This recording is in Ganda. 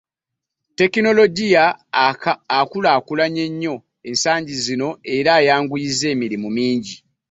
Tekinologiya akulaakulanye nnyo ensangi zino era ayanguyizza emirimu mingi.